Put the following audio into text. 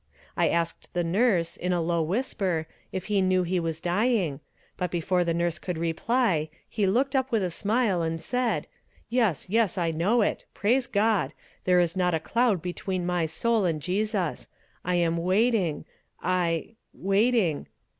I asked the nurse, in a low whisper, if he knew he was dying, but before the nurse could reply, he looked up with a smile, and said: "Yes, yes, I know it. Praise God! there is not a cloud between my soul and Jesus. I am waiting I waiting